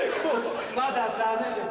まだダメです。